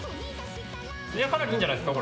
かなり、いいんじゃないですか。